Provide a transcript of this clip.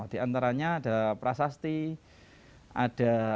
di antaranya ada prasasti ada